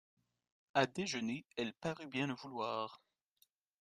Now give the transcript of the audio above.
A déjeuner, elle parut bien le vouloir.